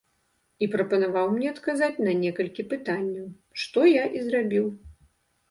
І прапанаваў мне адказаць на некалькі пытанняў, што я і зрабіў.